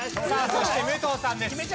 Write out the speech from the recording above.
さあそして武藤さんです。